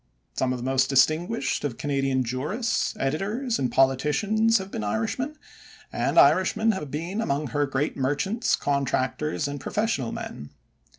Some of the most distinguished of Canadian jurists, editors, and politicians have been Irishmen, and Irishmen have been among her great merchants, contractors, and professional men.